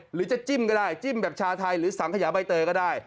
หรือจะจิ้มก็ได้จิ้มแบบชาไทยหรือสังขยาใบเตยก็ได้